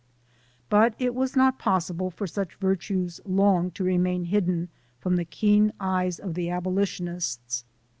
" But it was not possible for such virtues long to remain hidden from the keen eyes of the Abolition ists.